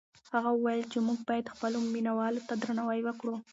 هغه وویل چې موږ باید خپلو مینه والو ته درناوی وکړو.